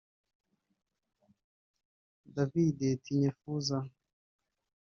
David Tinyefuza